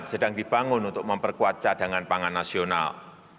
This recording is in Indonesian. sedang dibangun untuk memperkuat cadangan pangan nasional